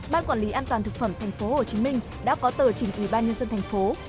ban quản lý an toàn thực phẩm thành phố hồ chí minh đã có tờ chỉnh ủy ban nhân dân thành phố